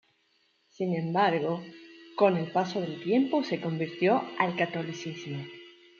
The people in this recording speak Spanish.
Sin embargo, con el paso del tiempo se convirtió al catolicismo.